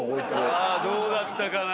あっどうだったかな